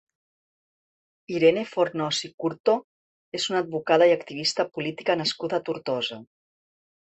Irene Fornós i Curto és una advocada i activista política nascuda a Tortosa.